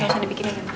biar saya dibikin aja